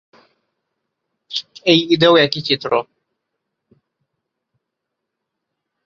এই ঈদেও একই চিত্র।